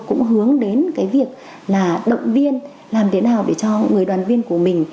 cũng hướng đến cái việc là động viên làm thế nào để cho người đoàn viên của mình